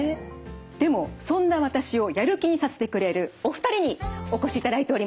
でもそんな私をやる気にさせてくれるお二人にお越しいただいております。